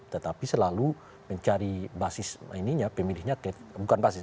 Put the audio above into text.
tetapi selalu mencari basis ininya pemilihnya bukan basis